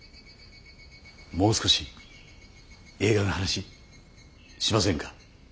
もう少し映画の話しませんか。